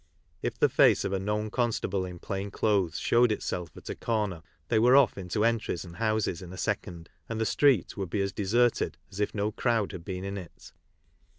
If the face of a known constable in plain clothes showed itself at a corner they were off into entries and houses in a second, and the Street would be as deserted as if no crowd had been in it.